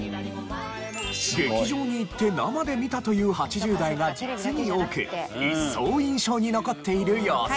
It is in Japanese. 劇場に行って生で見たという８０代が実に多く一層印象に残っている様子。